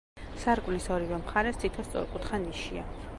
სარკმლის ორივე მხარეს თითო სწორკუთხა ნიშია.